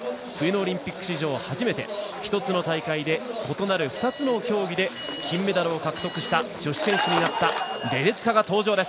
冬のオリンピック史上初めて１つの大会で異なる２つの競技で金メダルを獲得した女子選手になったレデツカが登場。